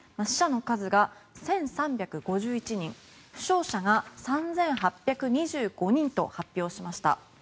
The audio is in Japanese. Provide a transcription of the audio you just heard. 死者の数が１３５１人負傷者が３８２５人と発表しました。